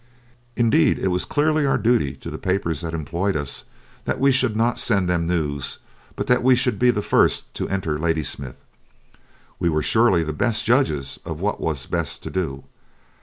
Indeed, it was clearly our duty to the papers that employed us that we should not send them news, but that we should be the first to enter Ladysmith. We were surely the best judges of what was best to do.